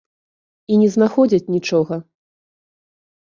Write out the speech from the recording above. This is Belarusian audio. І не знаходзяць нічога.